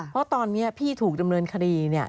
เพราะตอนนี้พี่ถูกดำเนินคดีเนี่ย